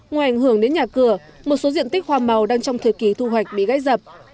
ngoài ảnh hưởng đến nhà cửa một số diện tích hoa màu đang trong thời kỳ thu hoạch bị gây dập